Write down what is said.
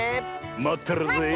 まってるぜえ。